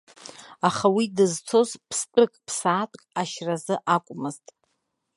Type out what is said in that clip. Аха уи дызцоз ԥстәык, ԥсаатәк ашьразы акәмызт.